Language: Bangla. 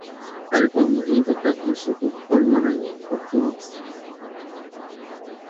কারিকুলাম বহির্ভূত কাজ খুব বেশী পরিমাণে করছো, ম্যাক্স।